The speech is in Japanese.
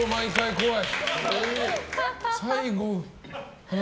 怖い。